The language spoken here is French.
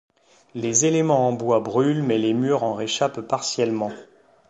Les éléments en bois brûlent mais les murs en réchappent partiellement.